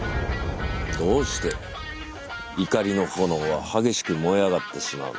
どうして怒りの炎は激しく燃え上がってしまうのか。